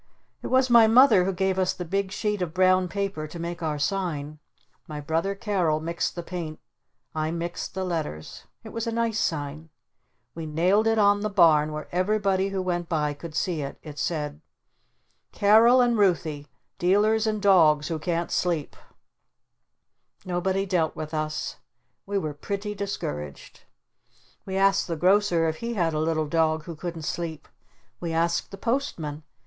It was my Mother who gave us the big sheet of brown paper to make our sign. My brother Carol mixed the paint. I mixed the letters. It was a nice sign. We nailed it on the barn where everybody who went by could see it. It said: "Carol and Ruthy. Dealers in Dogs who Can't Sleep." Nobody dealt with us. We were pretty discouraged. We asked the Grocer if he had a little dog who couldn't sleep. We asked the Postman.